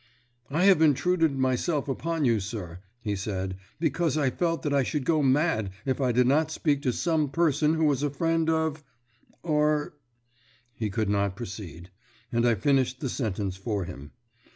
"I have intruded myself upon you, sir," he said, "because I felt that I should go mad if I did not speak to some person who was a friend of or " He could not proceed, and I finished the sentence for him.